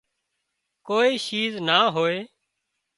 ڪوئي شيِز نِا هوئي